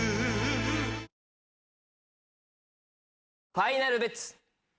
ファイナルベッツ？